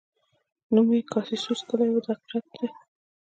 نوم یې کاسیوس کلي و دا حقیقت دی.